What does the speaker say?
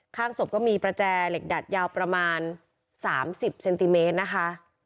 ข้างศพก็มีประแจเหล็กดัดยาวประมาณ๓๐เซนติเมตรนะคะ